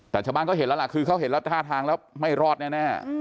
แต่ชาวบ้านก็เห็นแล้วล่ะคือเขาเห็นแล้วท่าทางแล้วไม่รอดแน่